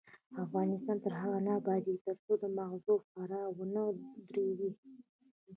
افغانستان تر هغو نه ابادیږي، ترڅو د ماغزو فرار ونه دریږي.